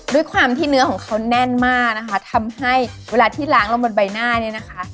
ด้วยความที่เนื้อของเขาแน่นมากนะคะทำให้เวลาที่ล้างลงบนใบหน้าเนี่ยนะคะ